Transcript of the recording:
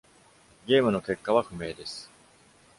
ゲームの結果は不明です。